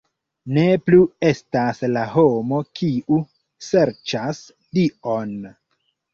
Ne plu estas la homo kiu serĉas Dion!